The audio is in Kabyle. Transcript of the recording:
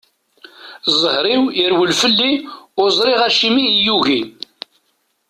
Zher-iw, irewwel fell-i, ur ẓriɣ acimi i iyi-yugi.